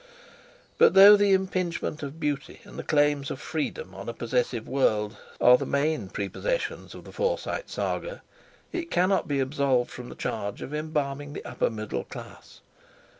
But though the impingement of Beauty and the claims of Freedom on a possessive world are the main prepossessions of the Forsyte Saga, it cannot be absolved from the charge of embalming the upper middle class.